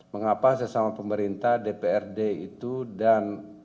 mengapa sesama pemerintah dprd itu dan